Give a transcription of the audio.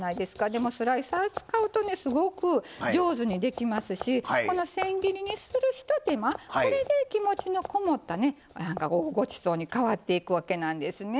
でもスライサー使うとねすごく上手にできますしこのせん切りにするひと手間これで気持ちのこもったね「ごちそう」に変わっていくわけなんですね。